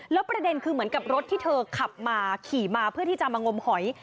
แล้วประเด็นคือเหมือนกับรถที่เธอขับมาขี่มาเพื่อที่จะมางมหอย